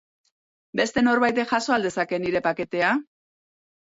Beste norbaitek jaso al dezake nire paketea?